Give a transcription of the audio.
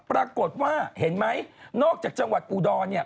ปรากฏว่าเห็นไหมนอกจากจังหวัดอุดรเนี่ย